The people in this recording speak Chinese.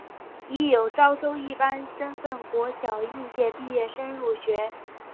亦有招收一般身份国小应届毕业生入学。